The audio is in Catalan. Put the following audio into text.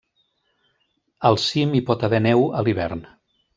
Al cim hi pot haver neu a l'hivern.